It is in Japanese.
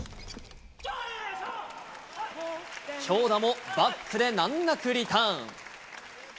強打もバックで難なくリターン。